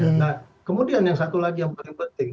nah kemudian yang satu lagi yang paling penting